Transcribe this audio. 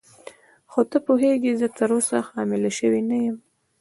خو ته پوهېږې زه تراوسه حامله شوې نه یم.